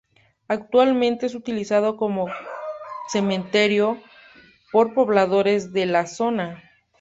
Actualmente es utilizado como cementerio por pobladores de la zona.